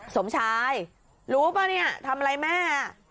สมชายรู้ป่ะเนี่ยทำอะไรแม่